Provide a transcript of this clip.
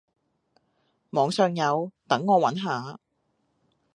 網上有，等我揾下